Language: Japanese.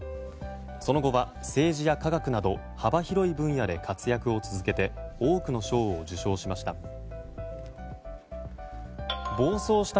その後は、政治や科学など幅広い分野で活躍を続けて多くの賞を受賞しました。